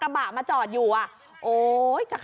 เลี้ยงเลี้ยงเลี้ยงเลี้ยง